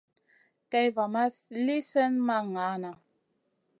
Kay va ma li slèhna ma ŋahna.